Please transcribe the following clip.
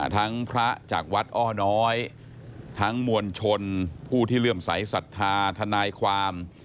ทั้งพระจากวัดอ้อน้อยทั้งมวลชนผู้ที่เลื่อมใสสัทธาทนายความ